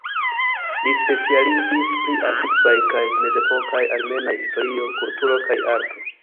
Li specialiĝis pri antikvaj kaj mezepokaj armenaj historio, kulturo kaj arto.